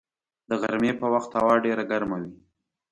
د غرمې په وخت هوا ډېره ګرمه وي